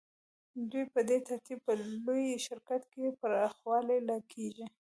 دوی په دې ترتیب په لوی شرکت کې برخوال کېږي